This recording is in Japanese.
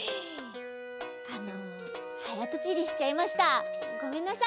あのはやとちりしちゃいました。ごめんなさい！